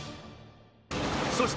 ［そして笑